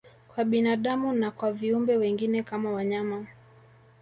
Kwa binadamu na kwa viumbe wengine kama wanyama